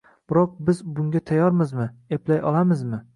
biroq biz bunga tayyormizmi, eplay olamizmi?